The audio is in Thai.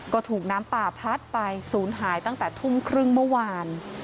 ก็ถูกน้ำป่าพัดไปศูนย์หายตั้งแต่ทุ่มครึ่งเมื่อวาน